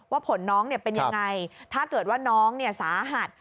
ว่าผลน้องเนี่ยเป็นยังไงถ้าเกิดว่าน้องเนี่ยสาหัส